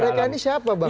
mereka ini siapa bang